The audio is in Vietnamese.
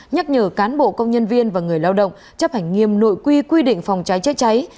nhắc nhở cán bộ công nhân viên và người lao động chấp hành nghiêm nội quy quy định phòng cháy chữa cháy